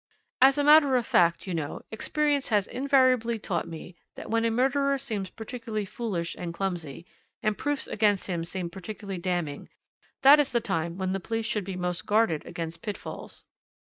"As a matter of fact, you know, experience has invariably taught me that when a murderer seems particularly foolish and clumsy, and proofs against him seem particularly damning, that is the time when the police should be most guarded against pitfalls.